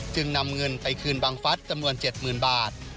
จึงนำเงินไปคืนบังฟัสจำนวน๗๐๐บาท